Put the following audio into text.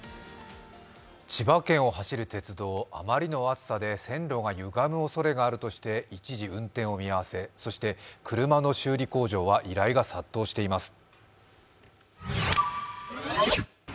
千葉県を走る鉄道、あまりの暑さで線路がゆがむおそれがあるとして一時、運転を見合わせ、そして車の修理工場は依頼が殺到しています。